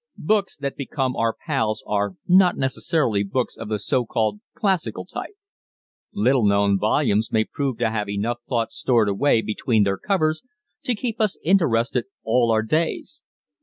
Books that become our "pals" are not necessarily books of the so called classical type. Little known volumes may prove to have enough thought stored away between their covers to keep us interested all our days.